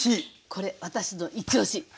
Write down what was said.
これ私のイチ押し！